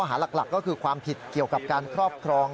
หาหลักก็คือความผิดเกี่ยวกับการครอบครอง